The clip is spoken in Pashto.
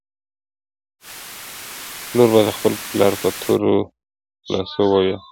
ایا د خیر محمد لور به د خپل پلار په تورو لاسو وویاړي؟